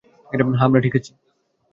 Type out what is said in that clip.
হ্যাঁ, আমরা ঠিক আছি।